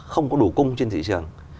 không có đủ cung trên thị trường